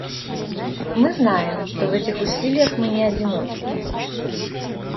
Мы знаем, что в этих усилиях мы не одиноки.